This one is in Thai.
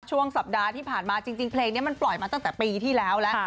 ช่วงสัปดาห์ที่ผ่านมาจริงเพลงนี้มันปล่อยมาตั้งแต่ปีที่แล้วแล้ว